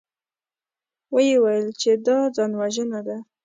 ويې ويل چې دا ځانوژنه ده.